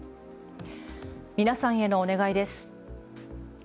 皆さんへのお願いです。